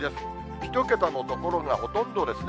１桁の所がほとんどですね。